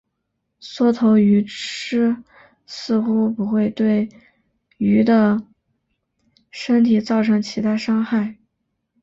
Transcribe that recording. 缩头鱼虱似乎不会对鱼的身体造成其他伤害。